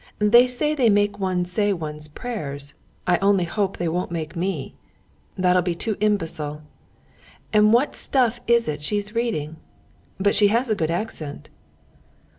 They say they make one say one's prayers. I only hope they won't make me! That'll be too imbecile. And what stuff it is she's reading! but she has a good accent.